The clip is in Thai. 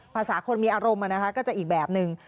ภาษาคนมีอารมณ์ก็จะอีกแบบนึง